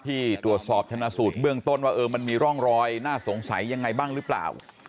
ที่ตรวจสอบชนะสูตรเบื้องต้นว่ามันมีร่องรอยน่าสงสัยยังไงบ้างหรือเปล่า